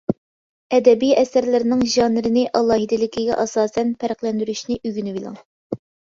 ئەدەبىي ئەسەرلەرنىڭ ژانىرىنى ئالاھىدىلىكىگە ئاساسەن پەرقلەندۈرۈشنى ئۆگىنىۋېلىڭ.